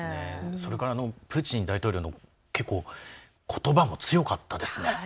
それからプーチン大統領のことばも強かったですね。